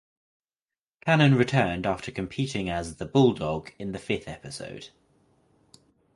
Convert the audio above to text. Cannon returned after competing as "the Bulldog" in the fifth episode.